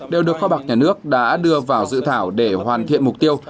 đều được kho bạc nhà nước đã đưa vào dự thảo để hoàn thiện mục tiêu